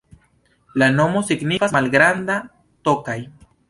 La nomo signifas: malgranda Tokaj.